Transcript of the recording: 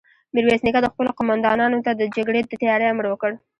ميرويس نيکه خپلو قوماندانانو ته د جګړې د تياري امر وکړ.